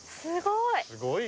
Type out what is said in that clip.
すごい！